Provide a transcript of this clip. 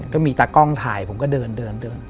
ก็มีตากล้องถ่ายผมก็เดินเดิน